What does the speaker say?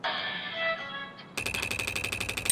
سعيد بن مسيب رحمه الله فرمايي.